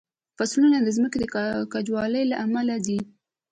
فصلونه د ځمکې د کجوالي له امله دي.